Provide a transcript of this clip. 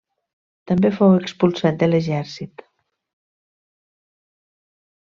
També fou expulsat de l'Exèrcit.